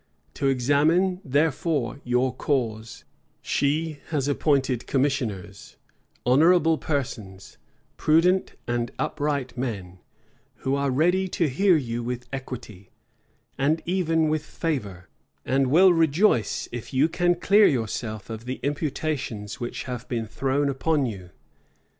To examine, therefore, your cause, she has appointed commissioners; honorable persons, prudent and upright men, who are ready to hear you with equity, and even with favor, and will rejoice if you can clear yourself of the imputations which have been thrown upon you.